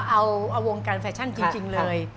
เอาวงการแฟชั่นจริงเลย